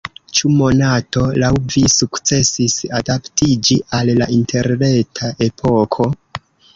Ĉu Monato laŭ vi sukcesis adaptiĝi al la interreta epoko?